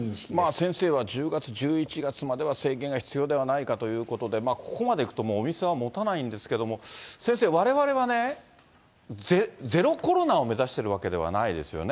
先生は、１０月、１１月までは制限が必要ではないかということで、ここまでいくと、お店はもたないんですけども、先生、われわれはね、ゼロコロナを目指しているわけではないですよね。